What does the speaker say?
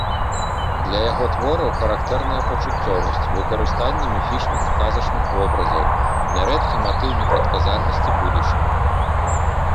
Для яго твораў характэрная пачуццёвасць, выкарыстанне міфічных і казачных вобразаў, нярэдкі матыў непрадказальнасці будучыні.